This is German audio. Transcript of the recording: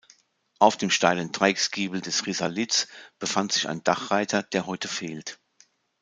Auf dem steilen Dreiecksgiebel des Risalits befand sich ein Dachreiter, der heute fehlt.